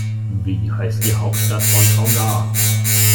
Wie heißt die Hauptstadt von Tonga?